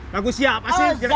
lagu siap apa sih